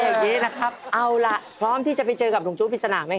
นี่มันไม่ใช่เบานะพี่เอ๊